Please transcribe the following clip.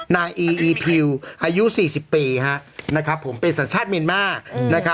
นาอีอีผิวอายุ๔๐ปีเป็นสัญชาติมีนมาก